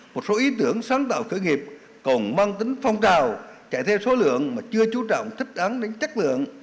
một số ý tưởng sáng tạo khởi nghiệp còn mang tính phong trào chạy theo số lượng mà chưa chú trọng thích đắn đến chất lượng